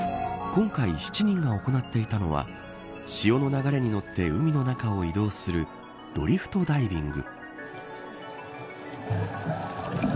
今回７人が行っていたのは潮の流れに乗って海の中を移動するドリフトダイビング。